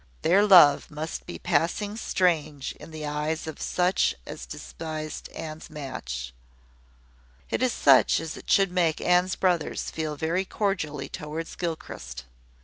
Their love must be passing strange in the eyes of all such as despised Anne's match. It is such as should make Anne's brothers feel very cordially towards Gilchrist.